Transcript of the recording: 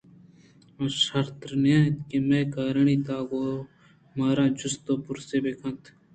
آ شرتر نہ اَت کہ مئے کارانی تہا گوں مارا جست ءُپرسے بہ کنت